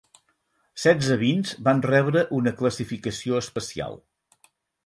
Setze vins van rebre una classificació especial.